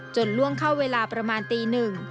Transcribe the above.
ล่วงเข้าเวลาประมาณตีหนึ่ง